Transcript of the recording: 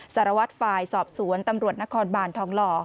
สารวัตรฝ่ายสอบสวนตำรวจนครบานทองหล่อ